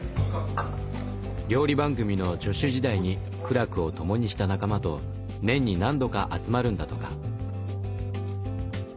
料理番組の助手時代に苦楽を共にした仲間と年に何度か集まるんだとか。